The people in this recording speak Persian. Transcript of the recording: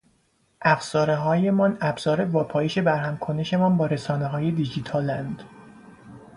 افزارههایمان ابزار واپایش برهمکنشمان با رسانههای دیجیتالند